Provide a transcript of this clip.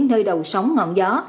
nơi đầu sóng ngọn gió